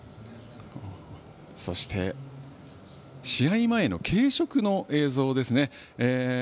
そして試合前の軽食の映像ですね。